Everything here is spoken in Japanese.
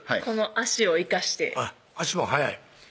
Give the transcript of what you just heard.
この足を生かして足も速い？